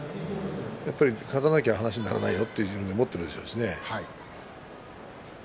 やっぱり勝たなきゃ話にならないよと思っているでしょうね。